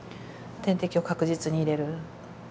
点滴を確実に入れる。